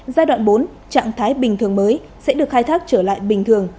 giai đoạn bốn trạng thái bình thường mới sẽ được khai thác trở lại bình thường